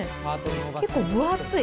結構分厚い。